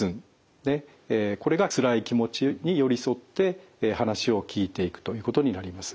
これがつらい気持ちに寄り添って話を聞いていくということになります。